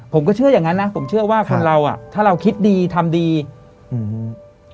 ผมก็เชื่ออย่างงั้นนะผมเชื่อว่าคนเราอ่ะถ้าเราคิดดีทำดีอืม